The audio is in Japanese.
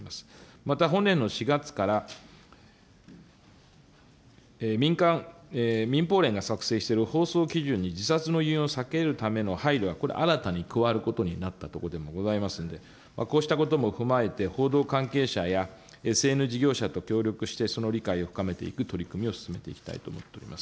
また本年の４月から、民間、民放連が策定している放送基準に自殺の誘因を避けるための配慮がこれ新たに加わることになったところでもありますので、こうしたことも踏まえて、報道関係者や、ＳＮＳ事業者と協力して、その理解を深めていく取り組みを進めていきたいと思っております。